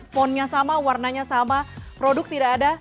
font nya sama warnanya sama produk tidak ada